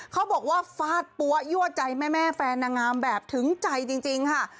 เขาบอกว่าฟาดปั๊วยั่วใจแม่แฟนนางงามแบบถึงใจจริงค่ะ